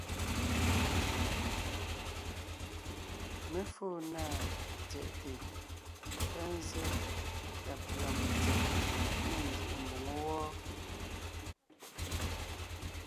Mé fóo na tsyɛ̀ʼte ta zsé ta pʉ̀a metsem ne njúʼu mboŋó wɔ́,